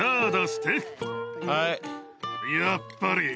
やっぱり。